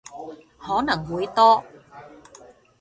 可能會多